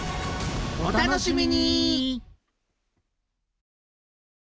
お楽しみに！